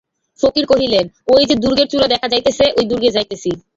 ফকির কহিলেন, ঐ যে দুর্গের চূড়া দেখা যাইতেছে, ঐ দুর্গে যাইতেছি।